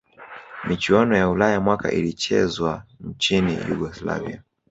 michuano ya ulaya mwaka ilichezwa nchini yugoslavia